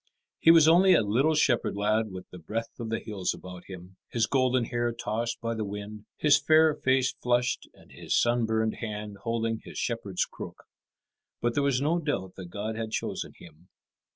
He was only a little shepherd lad with the breath of the hills about him, his golden hair tossed by the wind, his fair face flushed, and his sunburned hand holding his shepherd's crook. But there was no doubt that God had chosen him.